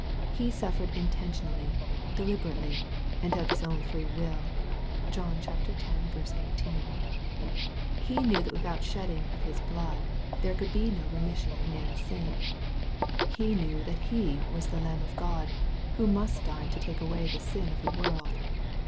He suffered intentionally, deliberately, and of His own free will. (John x. 18.) He knew that with out shedding of His blood there could be no remission of 2SS EXPOSITORY THOUGHTa man's sin. He knew that He was the Lamh of God, who must die to take away the sin of the world.